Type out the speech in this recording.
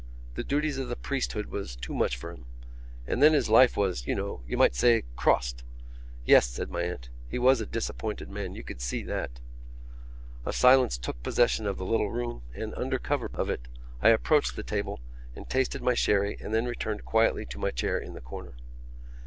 "The duties of the priesthood was too much for him. And then his life was, you might say, crossed." "Yes," said my aunt. "He was a disappointed man. You could see that." A silence took possession of the little room and, under cover of it, I approached the table and tasted my sherry and then returned quietly to my chair in the corner.